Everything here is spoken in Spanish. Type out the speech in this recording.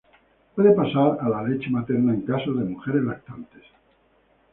Puede pasar a la leche materna en caso de mujeres lactantes.